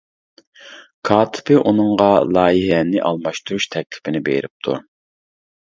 كاتىپى ئۇنىڭغا لايىھەنى ئالماشتۇرۇش تەكلىپىنى بېرىپتۇ.